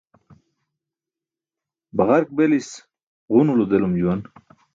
Baġark belis ġunulo delum juwan.